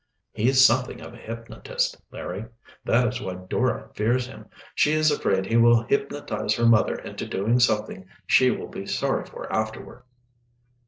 "He's something of a hypnotist, Larry that is why Dora fears him. She is afraid he will hypnotize her mother into doing something she will be sorry for afterward."